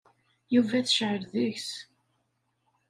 Yuba tecεel deg-s.